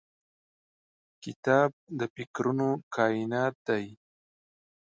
کتاب د فکرونو کائنات دی.